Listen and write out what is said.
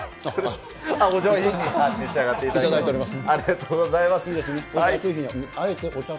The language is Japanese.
お上品に召し上がっていただいております。